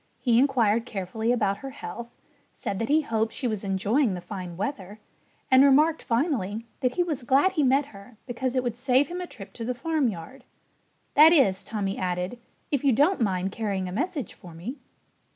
He inquired carefully about her health, said that he hoped she was enjoying the fine weather, and remarked finally that he was glad he met her because it would save him a trip to the farmyard. "That is," Tommy added, "if you don't mind carrying a message for me."